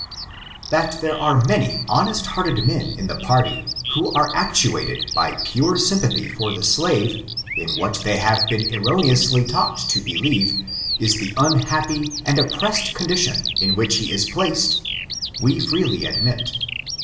That there are many honest hearted men in the party, who are actuated by pure sympathy for the slave, in what they have been erroneously taught to beUeve is the unhappy and oppressed condition in which he is placed, we freely admit.